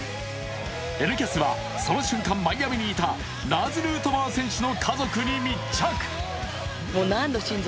「Ｎキャス」はその瞬間、マイアミにいたラーズ・ヌートバー選手の家族に密着。